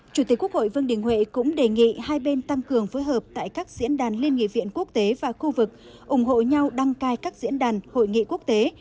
chủ tịch quốc hội vương đình huệ cũng đề nghị hai bên tăng cường phối hợp tại các diễn đàn liên nghị viện quốc tế và khu vực ủng hộ nhau đăng cai các diễn đàn hội nghị quốc tế